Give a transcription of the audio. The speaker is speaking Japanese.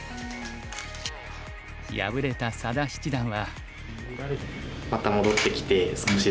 敗れた佐田七段は。